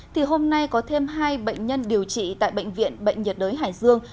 thì hôm nay có thêm hai bệnh nhân điều trị tại bệnh viện bệnh nhiệt đới hải dương